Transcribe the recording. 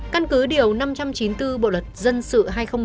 căn cứ điều năm trăm chín mươi bốn bộ luật dân sự hai nghìn một mươi năm